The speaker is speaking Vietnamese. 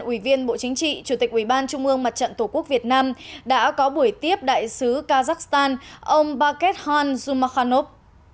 ủy viên bộ chính trị chủ tịch ủy ban trung ương mặt trận tổ quốc việt nam đã có buổi tiếp đại sứ kazakhstan ông baket han sumakhanov